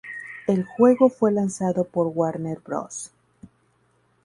El juego fue lanzado por Warner Bros.